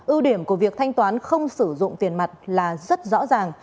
ưu điểm của việc thanh toán không sử dụng tiền mặt là rất rõ ràng